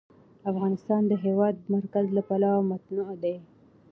افغانستان د د هېواد مرکز له پلوه متنوع دی.